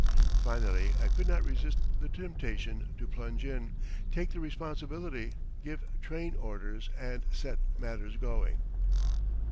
Finally I could not resist the temptation to plunge in, take the responsibility, give "train orders," and set matters going.